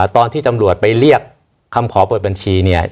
ตอนที่ตำรวจไปเรียกคำขอเปิดบัญชีเนี่ย